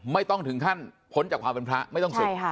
ไม่ต้องถึงขั้นพ้นจากความเป็นพระไม่ต้องศึก